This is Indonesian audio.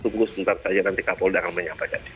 tunggu sebentar saja nanti kapolda akan menyampaikan